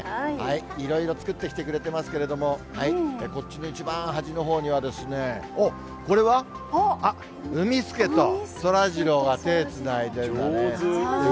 いろいろ作ってきてくれてますけど、こっちの一番端のほうには、おっ、これは？あっ、うみスケとそらジローが手つないでるんだね。